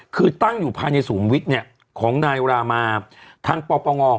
คือตั้งอยู่ภายในสูงวิทย์ของนายรามาท่านปปง